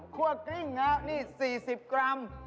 ครัวกริ้งนะครับ๔๐กรัม